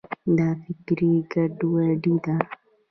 دا فکري ګډوډي ده.